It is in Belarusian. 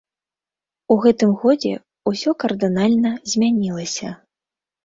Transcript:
У гэтым годзе ўсё кардынальна змянілася.